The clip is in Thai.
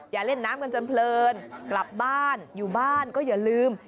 อย่าเล่นน้ำกันจนเพลินกลับบ้านอยู่บ้านก็อย่าลืม